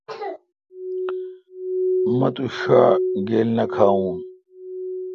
مہ تو ݭا گیل نہ کھاوین۔